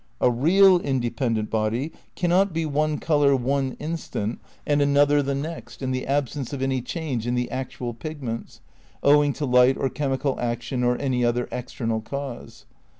A "real" independent body cannot be one 54 THE NEW IDEALISM m colour one instant and another the next in the absence of any change in the actual pigments, owing to light or chemical action or any other external cause.